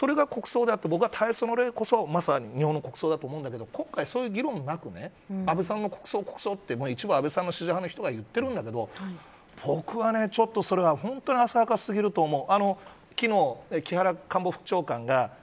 それが国葬であって僕は、大喪の礼こそまさに日本の国葬だと思うんですけど今回、そういう議論もなく安倍さんの国葬って一部、安倍さんの支持派の人が言ってるんだけど僕は、それは本当にあさはかすぎると思う。